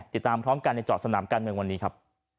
ติดตามพร้อมกันในจอดสนามการเมืองวันนี้ครับ